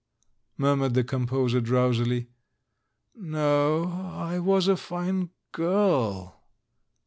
murmured the composer drowsily. "No, I was a fine girl.'